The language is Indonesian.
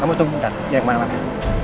kamu tunggu bentar ya kemana mana